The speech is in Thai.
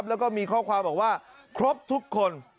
แล้วก็มีข้อความบอกว่าครบทุกคน